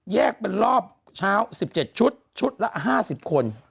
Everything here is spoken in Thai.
แยกเป็นรอบเช้า๑๗ชุดชุดละ๕๐คน